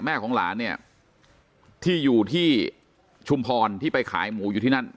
ของหลานเนี่ยที่อยู่ที่ชุมพรที่ไปขายหมูอยู่ที่นั่น